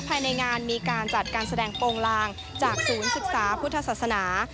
ภายในงานมีการจัดการแสดงโปรงลางจากศูนย์ศึกษาพุทธศาสนา